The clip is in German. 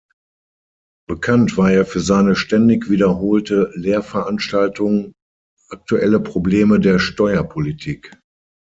Bekannt war er für seine ständig wiederholte Lehrveranstaltung „Aktuelle Probleme der Steuerpolitik“.